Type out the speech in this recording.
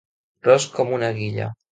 Ros com una guilla.